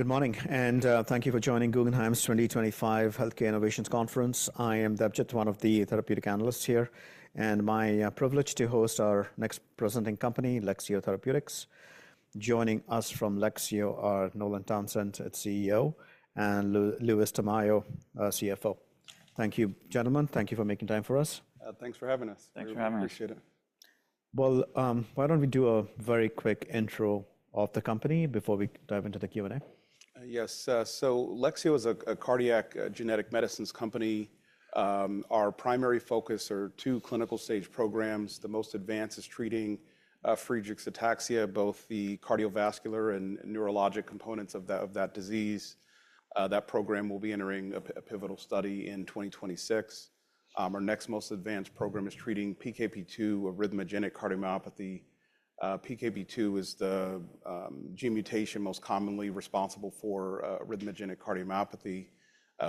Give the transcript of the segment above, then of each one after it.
Good morning, and thank you for joining Guggenheim's 2025 Healthcare Innovations Conference. I am Debjit, one of the therapeutic analysts here, and my privilege to host our next presenting company, Lexeo Therapeutics. Joining us from Lexeo are Nolan Townsend, its CEO, and Louis Tamayo, CFO. Thank you, gentlemen. Thank you for making time for us. Thanks for having us. Thanks for having us. Appreciate it. Why don't we do a very quick intro of the company before we dive into the Q&A? Yes. Lexeo is a cardiac genetic medicines company. Our primary focus is two clinical stage programs. The most advanced is treating Friedreich's ataxia, both the cardiovascular and neurologic components of that disease. That program will be entering a pivotal study in 2026. Our next most advanced program is treating PKP2, Arrhythmogenic Cardiomyopathy. PKP2 is the gene mutation most commonly responsible for Arrhythmogenic Cardiomyopathy.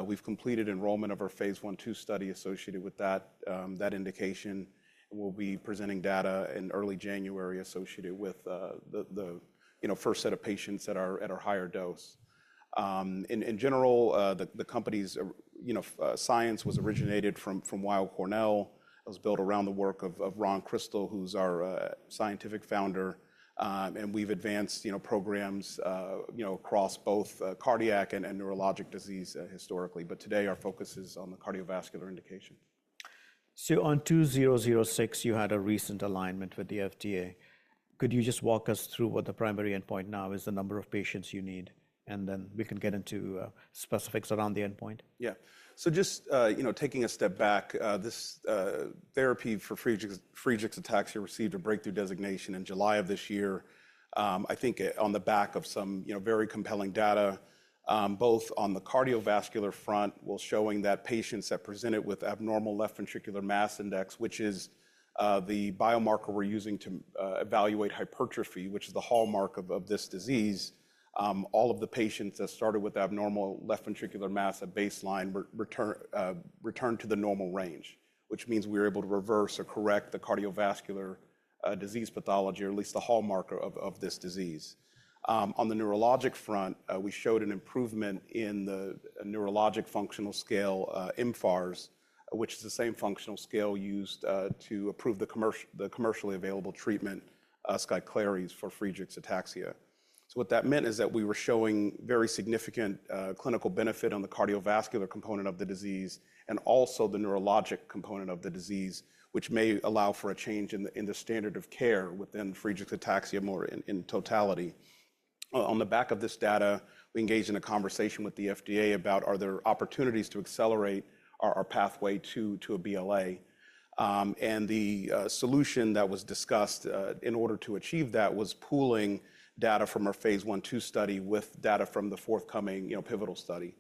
We've completed enrollment of our phase one two study associated with that indication, and we'll be presenting data in early January associated with the first set of patients at our higher dose. In general, the company's science was originated from Weill Cornell. It was built around the work of Ron Crystal, who's our scientific founder. We've advanced programs across both cardiac and neurologic disease historically. Today, our focus is on the cardiovascular indication. On 2006, you had a recent alignment with the FDA. Could you just walk us through what the primary endpoint now is, the number of patients you need? Then we can get into specifics around the endpoint. Yeah. Just taking a step back, this therapy for Friedreich's Ataxia received a breakthrough therapy designation in July of this year, I think on the back of some very compelling data, both on the cardiovascular front, while showing that patients that presented with abnormal left ventricular mass index, which is the biomarker we're using to evaluate Hypertrophy, which is the hallmark of this disease, all of the patients that started with abnormal left ventricular mass at baseline returned to the normal range, which means we were able to reverse or correct the Cardiovascular Disease Pathology, or at least the hallmark of this disease. On the neurologic front, we showed an improvement in the Neurologic Functional Scale, mFARS, which is the same functional scale used to approve the commercially available treatment, SKYCLARYS, for Friedreich's ataxia. What that meant is that we were showing very significant clinical benefit on the cardiovascular component of the disease and also the neurologic component of the disease, which may allow for a change in the standard of care within Friedreich's ataxia more in totality. On the back of this data, we engaged in a conversation with the FDA about are there opportunities to accelerate our pathway to a BLA. The solution that was discussed in order to achieve that was pooling data from our phase one two study with data from the forthcoming pivotal study.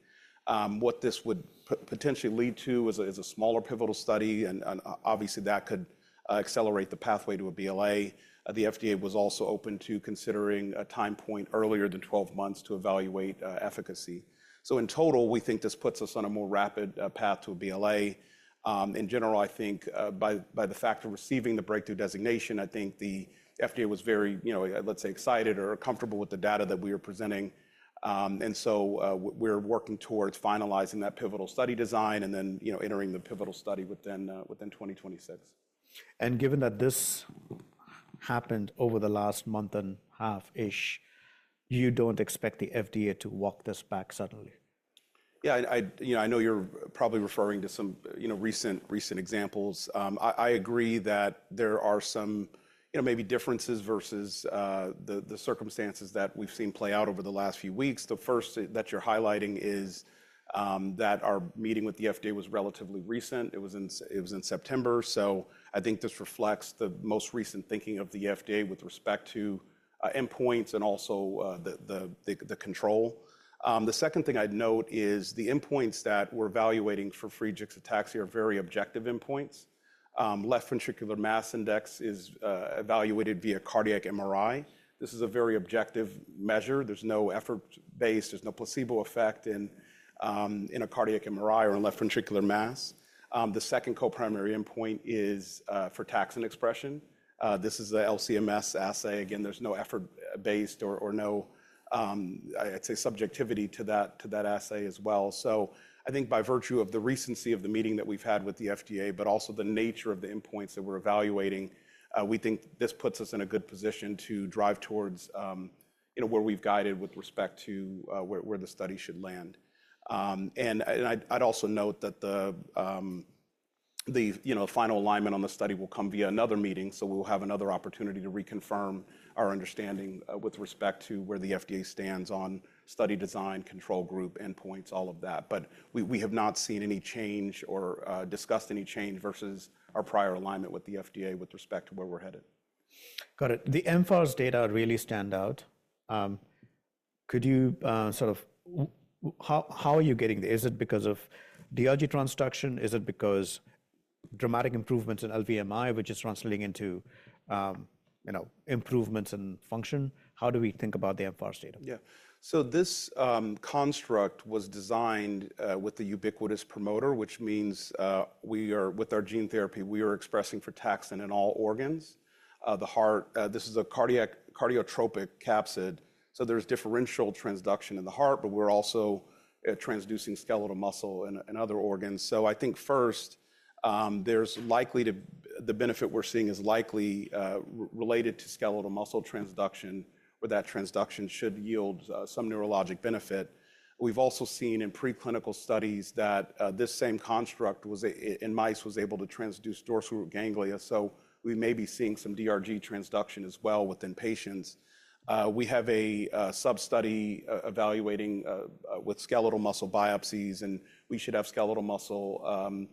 What this would potentially lead to is a smaller pivotal study, and obviously that could accelerate the pathway to a BLA. The FDA was also open to considering a time point earlier than 12 months to evaluate efficacy. In total, we think this puts us on a more rapid path to a BLA. In general, I think by the fact of receiving the breakthrough therapy designation, I think the FDA was very, let's say, excited or comfortable with the data that we were presenting. We are working towards finalizing that pivotal study design and then entering the pivotal study within 2026. Given that this happened over the last month and a half-ish, you don't expect the FDA to walk this back suddenly. Yeah, I know you're probably referring to some recent examples. I agree that there are some maybe differences versus the circumstances that we've seen play out over the last few weeks. The first that you're highlighting is that our meeting with the FDA was relatively recent. It was in September, so, I think this reflects the most recent thinking of the FDA with respect to endpoints and also the control. The second thing I'd note is the endpoints that we're evaluating for Friedreich's ataxia are very objective endpoints. Left Ventricular Mass Index is evaluated via cardiac MRI. This is a very objective measure. There's no effort-based, there's no placebo effect in a cardiac MRI or in left ventricular mass. The second co-primary endpoint is frataxin expression. This is an LCMS assay. Again, there's no effort-based or no, I'd say, subjectivity to that assay as well. I think by virtue of the recency of the meeting that we've had with the FDA, but also the nature of the endpoints that we're evaluating, we think this puts us in a good position to drive towards where we've guided with respect to where the study should land. I'd also note that the final alignment on the study will come via another meeting, so we'll have another opportunity to reconfirm our understanding with respect to where the FDA stands on study design, control group, endpoints, all of that. We have not seen any change or discussed any change versus our prior alignment with the FDA with respect to where we're headed. Got it. The mFARS data really stand out. Could you sort of, how are you getting there? Is it because of dorsal root ganglia transduction? Is it because of dramatic improvements in left ventricular mass index, which is translating into improvements in function? How do we think about the mFARS data? Yeah. This construct was designed with the ubiquitous promoter, which means with our gene therapy, we are expressing frataxin in all organs. The heart, this is a cardiotropic capsid. There is differential transduction in the heart, but we are also transducing skeletal muscle and other organs. I think first, the benefit we are seeing is likely related to skeletal muscle transduction, where that transduction should yield some neurologic benefit. We have also seen in preclinical studies that this same construct in mice was able to transduce dorsal root ganglia. We may be seeing some DRG transduction as well within patients. We have a sub-study evaluating with skeletal muscle biopsies, and we should have skeletal muscle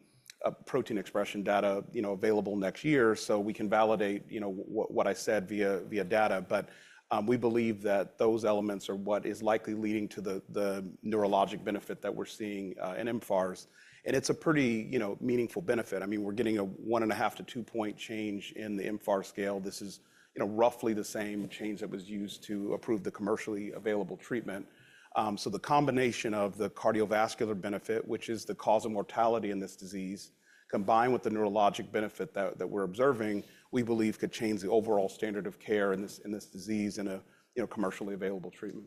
protein expression data available next year so we can validate what I said via data. We believe that those elements are what is likely leading to the neurologic benefit that we're seeing in mFARS. And it's a pretty meaningful benefit. I mean, we're getting a one and a half to two point change in the mFARS scale. This is roughly the same change that was used to approve the commercially available treatment. So the combination of the cardiovascular benefit, which is the cause of mortality in this disease, combined with the neurologic benefit that we're observing, we believe could change the overall standard of care in this disease in a commercially available treatment.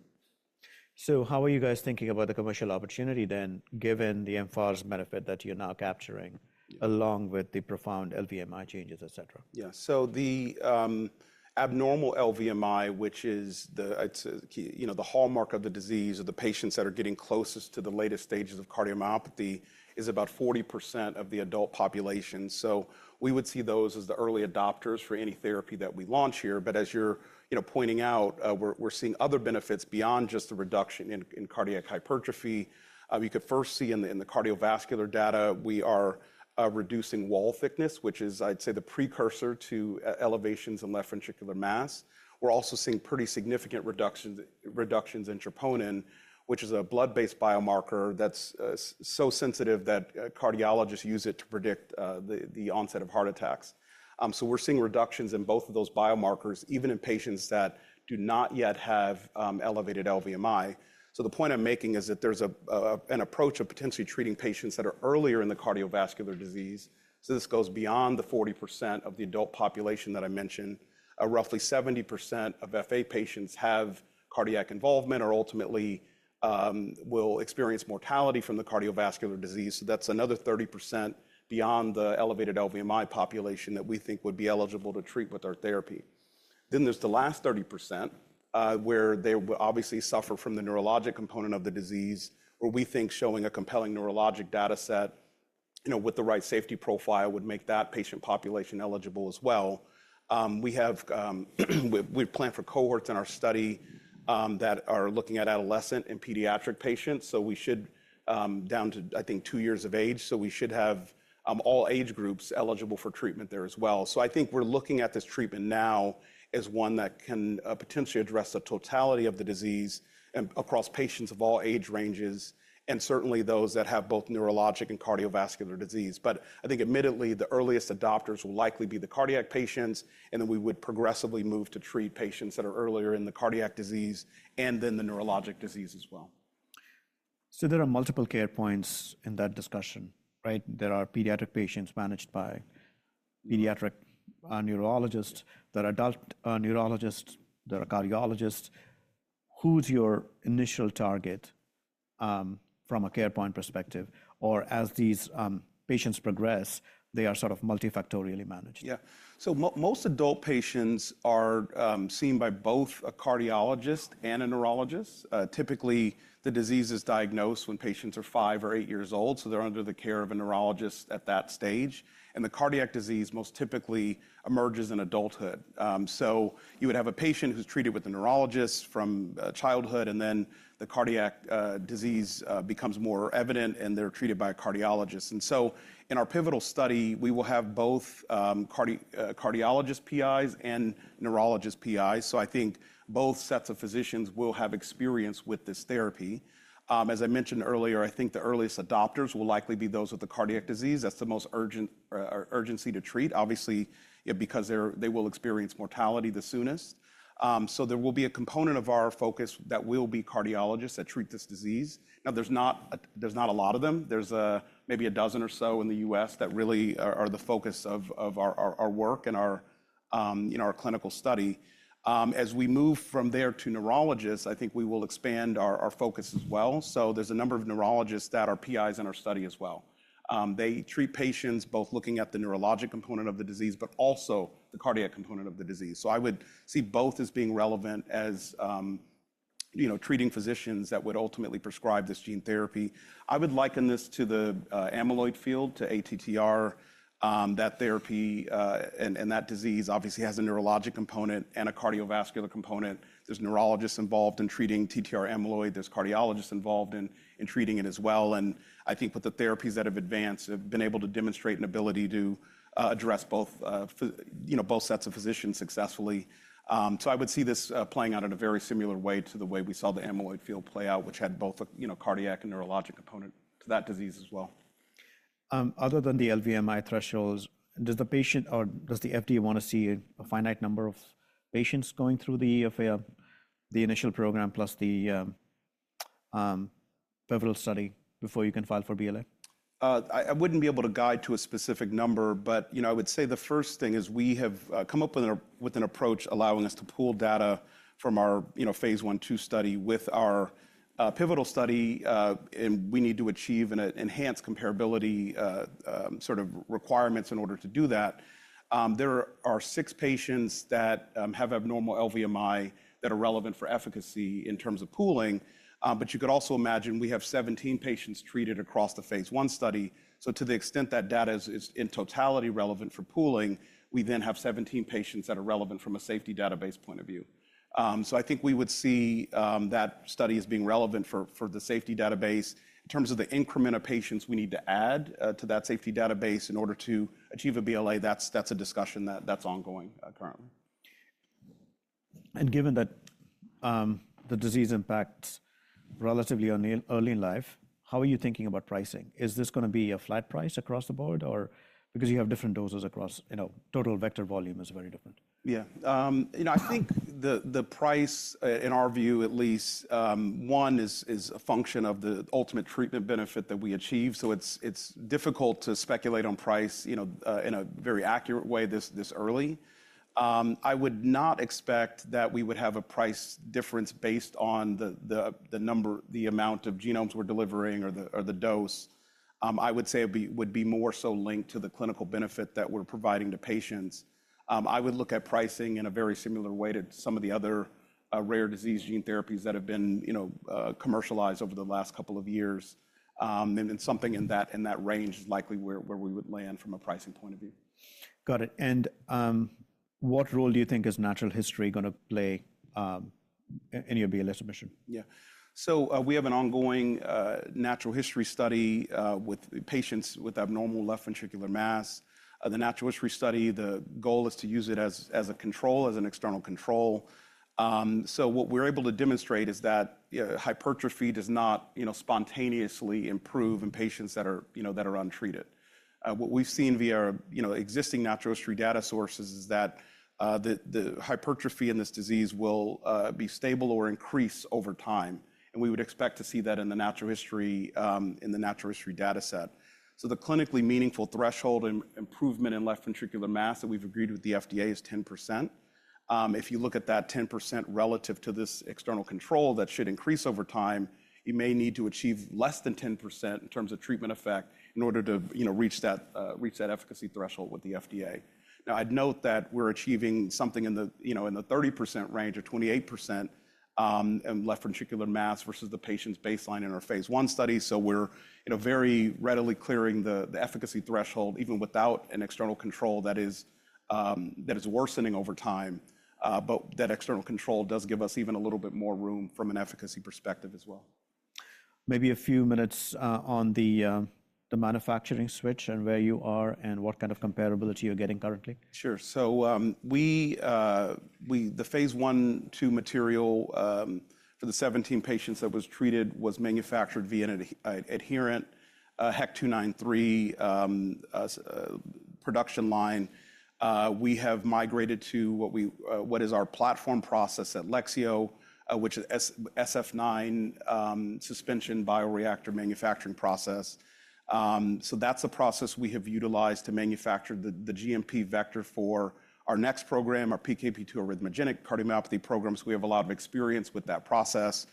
How are you guys thinking about the commercial opportunity then, given the mFARS benefit that you're now capturing along with the profound LVMI changes, et cetera? Yeah. The abnormal LVMI, which is the hallmark of the disease or the patients that are getting closest to the latest stages of cardiomyopathy, is about 40% of the adult population. We would see those as the early adopters for any therapy that we launch here. As you're pointing out, we're seeing other benefits beyond just the reduction in cardiac hypertrophy. You could first see in the cardiovascular data, we are reducing wall thickness, which is, I'd say, the precursor to elevations in left ventricular mass. We're also seeing pretty significant reductions in troponin, which is a blood-based biomarker that's so sensitive that cardiologists use it to predict the onset of heart attacks. We're seeing reductions in both of those biomarkers, even in patients that do not yet have elevated LVMI. The point I'm making is that there's an approach of potentially treating patients that are earlier in the cardiovascular disease. This goes beyond the 40% of the adult population that I mentioned. Roughly 70% of FA patients have cardiac involvement or ultimately will experience mortality from the cardiovascular disease. That's another 30% beyond the elevated LVMI population that we think would be eligible to treat with our therapy. There's the last 30% where they will obviously suffer from the neurologic component of the disease, where we think showing a compelling neurologic data set with the right safety profile would make that patient population eligible as well. We have planned for cohorts in our study that are looking at adolescent and pediatric patients. We should, down to, I think, two years of age, so we should have all age groups eligible for treatment there as well. I think we're looking at this treatment now as one that can potentially address the totality of the disease across patients of all age ranges and certainly those that have both neurologic and cardiovascular disease. I think, admittedly, the earliest adopters will likely be the cardiac patients, and then we would progressively move to treat patients that are earlier in the cardiac disease and then the neurologic disease as well. There are multiple care points in that discussion, right? There are pediatric patients managed by pediatric neurologists, there are adult neurologists, there are cardiologists. Who's your initial target from a care point perspective? As these patients progress, they are sort of multifactorially managed? Yeah. Most adult patients are seen by both a cardiologist and a neurologist. Typically, the disease is diagnosed when patients are five or eight years old, so they're under the care of a neurologist at that stage. The cardiac disease most typically emerges in adulthood. You would have a patient who's treated with a neurologist from childhood, and then the cardiac disease becomes more evident, and they're treated by a cardiologist. In our pivotal study, we will have both cardiologist PIs and neurologist PIs. I think both sets of physicians will have experience with this therapy. As I mentioned earlier, I think the earliest adopters will likely be those with the cardiac disease. That's the most urgency to treat, obviously, because they will experience mortality the soonest. There will be a component of our focus that will be cardiologists that treat this disease. Now, there's not a lot of them. There's maybe a dozen or so in the U.S. that really are the focus of our work and our clinical study. As we move from there to neurologists, I think we will expand our focus as well. There's a number of neurologists that are PIs in our study as well. They treat patients both looking at the neurologic component of the disease, but also the cardiac component of the disease. I would see both as being relevant as treating physicians that would ultimately prescribe this gene therapy. I would liken this to the amyloid field, to ATTR, that therapy and that disease obviously has a neurologic component and a cardiovascular component. There's neurologists involved in treating TTR amyloid. There's cardiologists involved in treating it as well. I think with the therapies that have advanced, have been able to demonstrate an ability to address both sets of physicians successfully. I would see this playing out in a very similar way to the way we saw the amyloid field play out, which had both a cardiac and neurologic component to that disease as well. Other than the LVMI thresholds, does the patient or does the FDA want to see a finite number of patients going through the initial program plus the pivotal study before you can file for BLA? I wouldn't be able to guide to a specific number, but I would say the first thing is we have come up with an approach allowing us to pool data from our phase one two study with our pivotal study, and we need to achieve and enhance comparability sort of requirements in order to do that. There are six patients that have abnormal LVMI that are relevant for efficacy in terms of pooling. But you could also imagine we have 17 patients treated across the phase one study. To the extent that data is in totality relevant for pooling, we then have 17 patients that are relevant from a safety database point of view. I think we would see that study as being relevant for the safety database. In terms of the increment of patients we need to add to that safety database in order to achieve a BLA, that's a discussion that's ongoing currently. Given that the disease impacts relatively early in life, how are you thinking about pricing? Is this going to be a flat price across the board or because you have different doses across, total vector volume is very different? Yeah. I think the price, in our view at least, one is a function of the ultimate treatment benefit that we achieve. It is difficult to speculate on price in a very accurate way this early. I would not expect that we would have a price difference based on the number, the amount of genomes we are delivering or the dose. I would say it would be more so linked to the clinical benefit that we are providing to patients. I would look at pricing in a very similar way to some of the other rare disease gene therapies that have been commercialized over the last couple of years. Something in that range is likely where we would land from a pricing point of view. Got it. What role do you think natural history is going to play in your BLA submission? Yeah. We have an ongoing natural history study with patients with abnormal left ventricular mass. The natural history study, the goal is to use it as a control, as an external control. What we are able to demonstrate is that hypertrophy does not spontaneously improve in patients that are untreated. What we have seen via existing natural history data sources is that the hypertrophy in this disease will be stable or increase over time. We would expect to see that in the natural history data set. The clinically meaningful threshold improvement in left ventricular mass that we have agreed with the FDA is 10%. If you look at that 10% relative to this external control that should increase over time, you may need to achieve less than 10% in terms of treatment effect in order to reach that efficacy threshold with the FDA. Now, I'd note that we're achieving something in the 30% range or 28% in left ventricular mass versus the patient's baseline in our phase one study. We are very readily clearing the efficacy threshold even without an external control that is worsening over time. That external control does give us even a little bit more room from an efficacy perspective as well. Maybe a few minutes on the manufacturing switch and where you are and what kind of comparability you're getting currently. Sure. The phase one two material for the 17 patients that was treated was manufactured via an adherent HEK293 production line. We have migrated to what is our platform process at Lexeo, which is SF9 Suspension Bioreactor Manufacturing Process. That is a process we have utilized to manufacture the GMP vector for our next program, our PKP2 Arrhythmogenic Cardiomyopathy programs. We have a lot of experience with that process.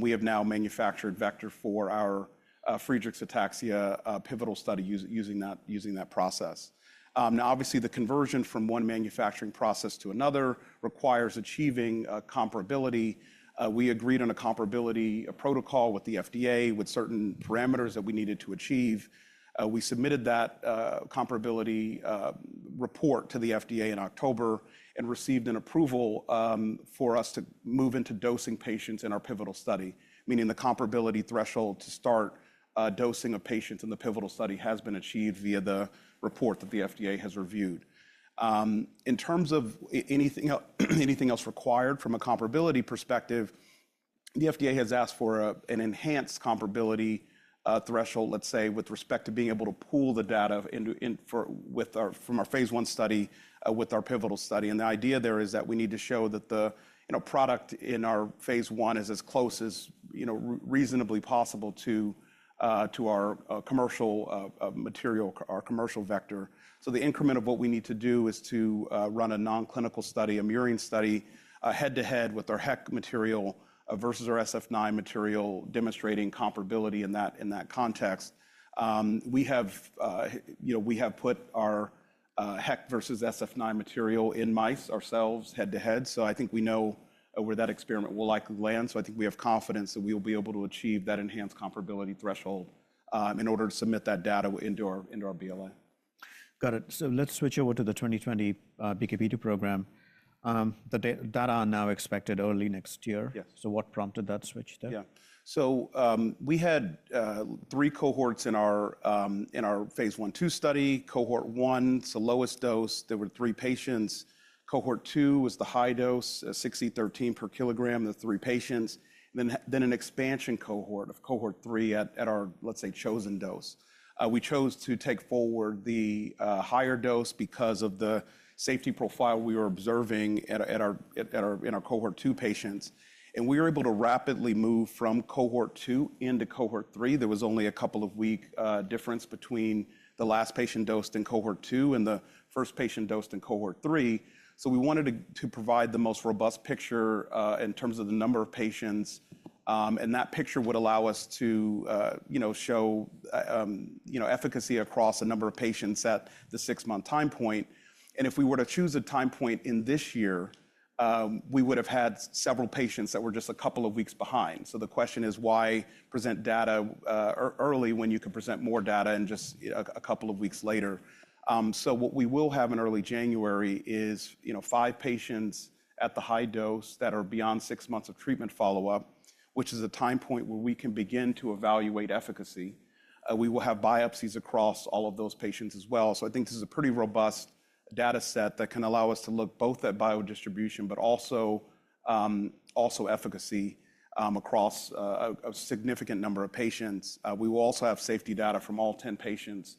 We have now manufactured vector for our Friedreich's ataxia Pivotal Study using that process. Now, obviously, the conversion from one manufacturing process to another requires achieving comparability. We agreed on a comparability protocol with the FDA with certain parameters that we needed to achieve. We submitted that comparability report to the FDA in October and received an approval for us to move into dosing patients in our pivotal study, meaning the comparability threshold to start dosing of patients in the pivotal study has been achieved via the report that the FDA has reviewed. In terms of anything else required from a comparability perspective, the FDA has asked for an enhanced comparability threshold, let's say, with respect to being able to pool the data from our phase one study with our pivotal study. The idea there is that we need to show that the product in our phase one is as close as reasonably possible to our commercial material, our commercial vector. The increment of what we need to do is to run a non-clinical study, a mirroring study head-to-head with our HEK material versus our SF9 material demonstrating comparability in that context. We have put our HEK versus SF9 material in mice ourselves head-to-head. I think we know where that experiment will likely land. I think we have confidence that we will be able to achieve that enhanced comparability threshold in order to submit that data into our BLA. Got it. Let's switch over to the 2020 PKP2 program. The data are now expected early next year. What prompted that switch there? Yeah. We had three cohorts in our phase one two study. Cohort one, it's the lowest dose. There were three patients. Cohort two was the high dose, 6013 per kilogram, the three patients. Then an expansion cohort of cohort three at our, let's say, chosen dose. We chose to take forward the higher dose because of the safety profile we were observing in our cohort two patients. We were able to rapidly move from cohort two into cohort three. There was only a couple of week difference between the last patient dosed in cohort two and the first patient dosed in cohort three. We wanted to provide the most robust picture in terms of the number of patients. That picture would allow us to show efficacy across a number of patients at the six-month time point. If we were to choose a time point in this year, we would have had several patients that were just a couple of weeks behind. The question is, why present data early when you can present more data just a couple of weeks later? What we will have in early January is five patients at the high dose that are beyond six months of treatment follow-up, which is a time point where we can begin to evaluate efficacy. We will have biopsies across all of those patients as well. I think this is a pretty robust data set that can allow us to look both at biodistribution, but also efficacy across a significant number of patients. We will also have safety data from all 10 patients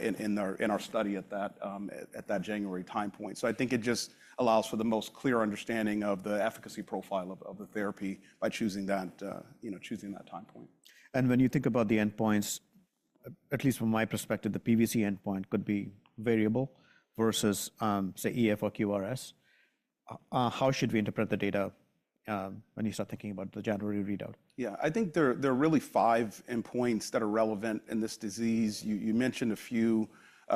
in our study at that January time point. I think it just allows for the most clear understanding of the efficacy profile of the therapy by choosing that time point. When you think about the endpoints, at least from my perspective, the PVC endpoint could be variable versus, say, EF or QRS. How should we interpret the data when you start thinking about the January readout? Yeah. I think there are really five endpoints that are relevant in this disease. You mentioned a few.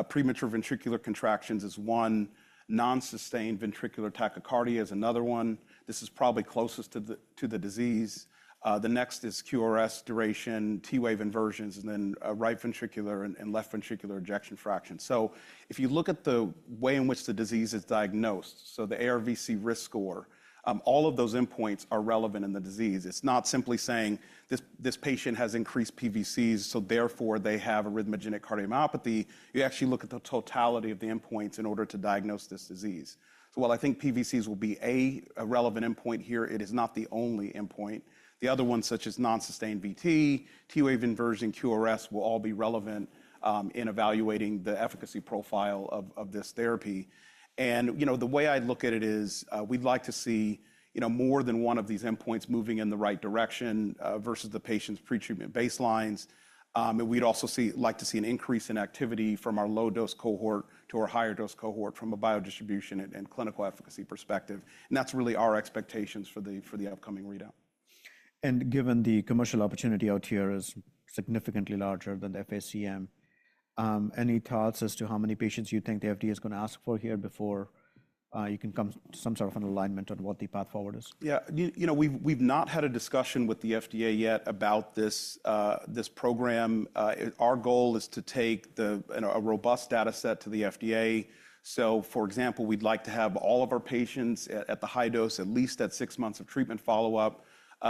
Premature ventricular contractions is one. Non-sustained ventricular tachycardia is another one. This is probably closest to the disease. The next is QRS duration, T-wave inversions, and then right ventricular and left ventricular ejection fraction. If you look at the way in which the disease is diagnosed, the ARVC risk score, all of those endpoints are relevant in the disease. It is not simply saying this patient has increased PVCs, so therefore they have Arrhythmogenic Cardiomyopathy. You actually look at the totality of the endpoints in order to diagnose this disease. While I think PVCs will be a relevant endpoint here, it is not the only endpoint. The other ones, such as non-sustained VT, T-wave inversion, QRS, will all be relevant in evaluating the efficacy profile of this therapy. The way I look at it is we'd like to see more than one of these endpoints moving in the right direction versus the patient's pretreatment baselines. We'd also like to see an increase in activity from our low-dose cohort to our higher-dose cohort from a biodistribution and clinical efficacy perspective. That's really our expectations for the upcoming readout. Given the commercial opportunity out here is significantly larger than FACM, any thoughts as to how many patients you think the FDA is going to ask for here before you can come to some sort of an alignment on what the path forward is? Yeah. We've not had a discussion with the FDA yet about this program. Our goal is to take a robust data set to the FDA. For example, we'd like to have all of our patients at the high dose at least at six months of treatment follow-up.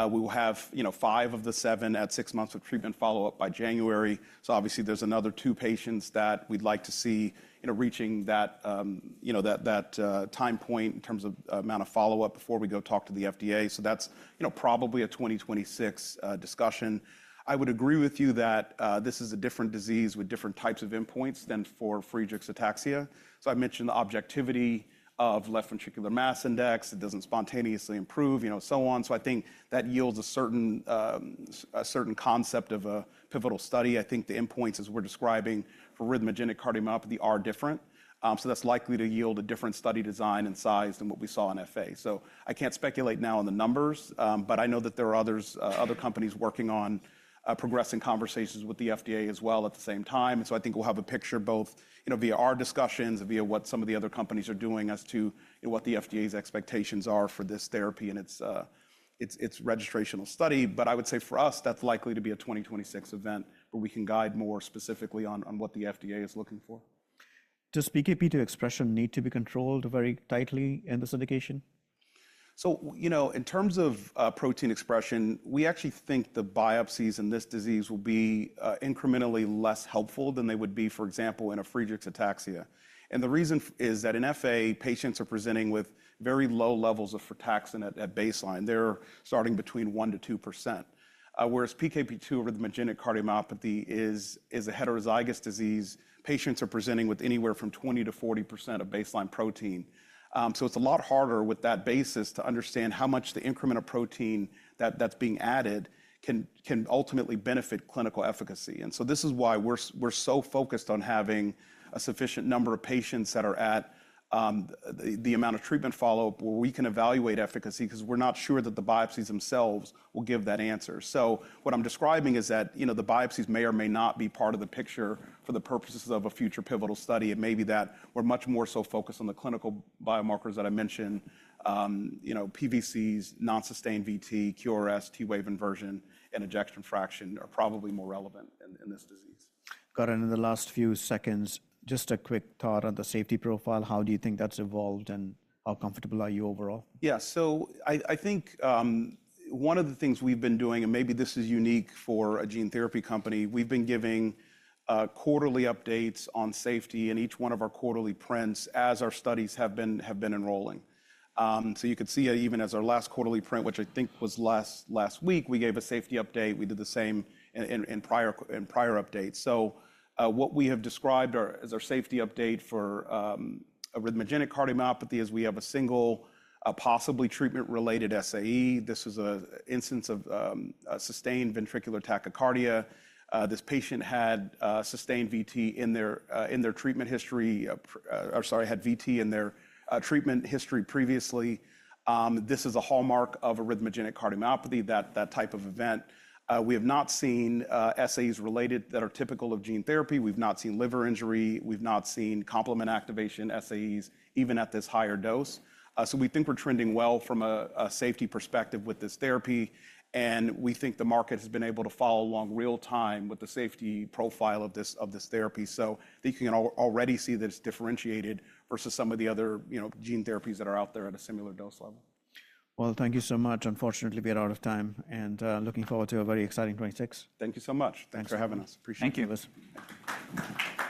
We will have five of the seven at six months of treatment follow-up by January. Obviously, there's another two patients that we'd like to see reaching that time point in terms of amount of follow-up before we go talk to the FDA. That's probably a 2026 discussion. I would agree with you that this is a different disease with different types of endpoints than for Friedreich's ataxia. I mentioned the objectivity of left ventricular mass index. It doesn't spontaneously improve, so on. I think that yields a certain concept of a pivotal study. I think the endpoints as we're describing for Arrhythmogenic Cardiomyopathy are different. That's likely to yield a different study design and size than what we saw in FA. I can't speculate now on the numbers, but I know that there are other companies working on progressing conversations with the FDA as well at the same time. I think we'll have a picture both via our discussions and via what some of the other companies are doing as to what the FDA's expectations are for this therapy and its registrational study. I would say for us, that's likely to be a 2026 event where we can guide more specifically on what the FDA is looking for. Does PKP2 expression need to be controlled very tightly in this indication? In terms of protein expression, we actually think the biopsies in this disease will be incrementally less helpful than they would be, for example, in a Friedreich's ataxia. The reason is that in FA, patients are presenting with very low levels of frataxin at baseline. They're starting between 1%-2%. Whereas PKP2 Arrhythmogenic Cardiomyopathy is a heterozygous disease, patients are presenting with anywhere from 20%-40% of baseline protein. It is a lot harder with that basis to understand how much the increment of protein that's being added can ultimately benefit clinical efficacy. This is why we're so focused on having a sufficient number of patients that are at the amount of treatment follow-up where we can evaluate efficacy because we're not sure that the biopsies themselves will give that answer. What I'm describing is that the biopsies may or may not be part of the picture for the purposes of a future pivotal study. It may be that we're much more so focused on the clinical biomarkers that I mentioned, PVCs, non-sustained VT, QRS, T-wave inversion, and ejection fraction are probably more relevant in this disease. Got it. In the last few seconds, just a quick thought on the safety profile. How do you think that's evolved and how comfortable are you overall? Yeah. So, I think one of the things we've been doing, and maybe this is unique for a gene therapy company, we've been giving quarterly updates on safety in each one of our quarterly prints as our studies have been enrolling. You could see it even as our last quarterly print, which I think was last week, we gave a safety update. We did the same in prior updates. What we have described as our safety update for Arrhythmogenic Cardiomyopathy is we have a single possibly treatment-related SAE. This is an instance of sustained ventricular tachycardia. This patient had sustained VT in their treatment history, or sorry, had VT in their treatment history previously. This is a hallmark of Arrhythmogenic Cardiomyopathy, that type of event. We have not seen SAEs related that are typical of gene therapy. We've not seen liver injury. have not seen complement activation SAEs even at this higher dose. We think we are trending well from a safety perspective with this therapy. We think the market has been able to follow along real-time with the safety profile of this therapy. I think you can already see that it is differentiated versus some of the other gene therapies that are out there at a similar dose level. Thank you so much. Unfortunately, we are out of time. Looking forward to a very exciting 2026. Thank you so much. Thanks for having us. Appreciate it. Thank you.